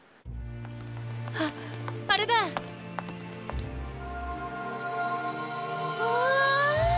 あっあれだ！わあ！